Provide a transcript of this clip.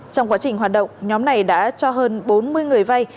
trong quá trình hoạt động nhóm này đã cho hơn bốn mươi người vay